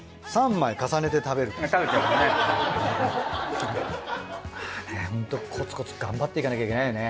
まあねホントコツコツ頑張っていかなきゃいけないよね。